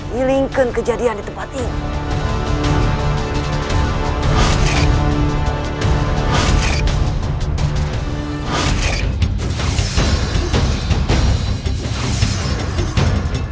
healingkan kejadian di tempat ini